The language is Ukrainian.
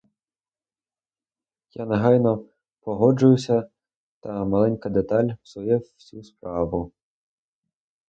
Я негайно погоджуюся, та маленька деталь псує всю справу.